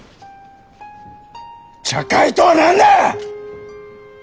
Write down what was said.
茶会とは何だ！